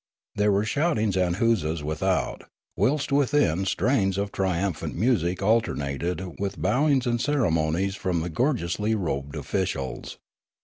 There were shoutings and huzzas without, whilst within strains of triumphant music alternated with bowings and ceremonies from the gorgeously robed officials.